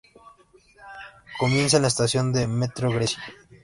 Comienza en la estación de metro Grecia.